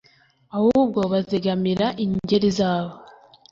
Ahubwo bazegamira ingeri zabo